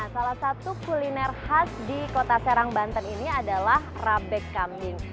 salah satu kuliner khas di kota serang banten ini adalah rabek kambing